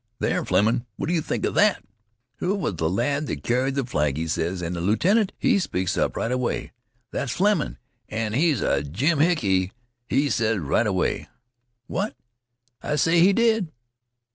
There, Flemin', what d' yeh think 'a that? 'Who was th' lad what carried th' flag?' he ses, an' th' lieutenant, he speaks up right away: 'That's Flemin', an' he's a jimhickey,' he ses, right away. What? I say he did.